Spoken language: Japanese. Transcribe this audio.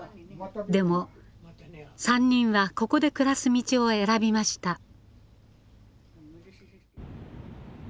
でも３人はここで暮らす道を選びました。